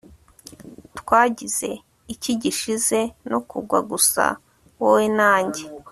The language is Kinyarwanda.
twagize icyi gishize no kugwa, gusa wowe na njye